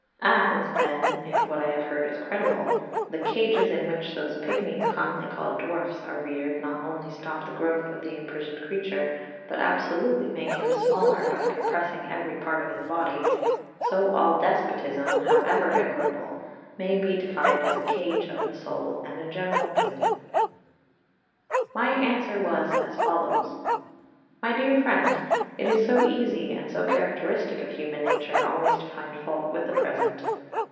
' "As, then (if what I have heard is credible), the cages in which those pigmies commonly called dwarfs are reared not only stop the growth of the imprisoned creature, but absolutely make him smaller by compressing every part of his body, so all despotism, however equitable, may be defined as a cage of the soul and a general prison." [Footnote 2: Od. xvii. 322.] 6 My answer was as follows: "My dear friend, it is so easy, and so characteristic of human nature, always to find fault with the present.